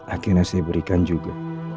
akhirnya saya berikan juga